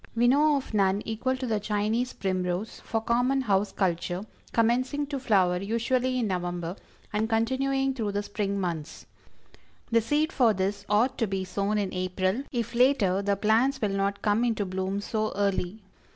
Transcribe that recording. We know of none equal to THE CHINESE PRIMROSE, for common house culture, commencing to flower usually in November, and continuing through the spring months. The seed for this ought to be sown in April if later the plants will not come into bloom so early.